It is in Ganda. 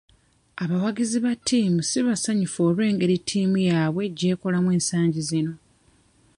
Abawagizi ba ttiimu si basanyufu olw'engeri ttiimu yaabwe gy'ekolamu ensangi zino.